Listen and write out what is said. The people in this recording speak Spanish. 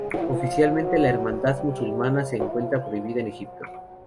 Oficialmente la Hermandad Musulmana se encuentra prohibida en Egipto.